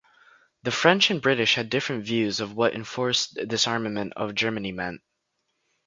The French and British had different views of what enforced disarmament of Germany meant.